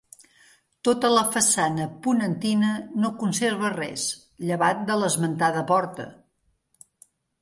Tota la façana ponentina no conserva res, llevat de l'esmentada porta.